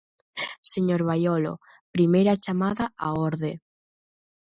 Señor Baiolo, primeira chamada á orde.